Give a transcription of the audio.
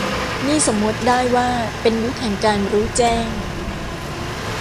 นี่สมมติได้ว่าเป็นยุคแห่งการรู้แจ้ง